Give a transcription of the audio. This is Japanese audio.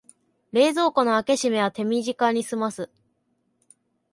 冷蔵庫の開け閉めは手短にすます